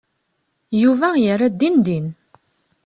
Yuba yerra-d dindin.